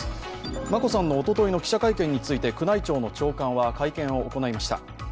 眞子さんのおとといの記者会見について宮内庁の長官は会見を行いました。